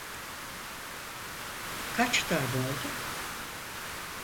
Kaç tane oldu?